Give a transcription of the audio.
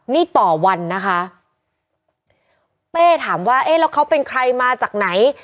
นี่ต่อวันนะคะเป้ถามว่าเอ๊ะแล้วเขาเป็นใครมาจากไหน